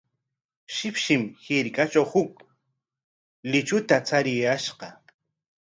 Shipshish hirkatraw huk luychuta chariyashqa.